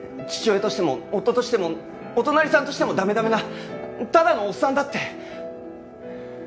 父親としても夫としてもお隣さんとしても駄目駄目なただのおっさんだって。